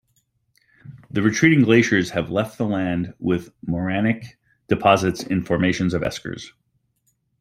The retreating glaciers have left the land with morainic deposits in formations of eskers.